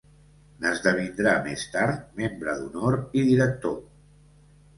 N'esdevindrà més tard membre d'honor i director.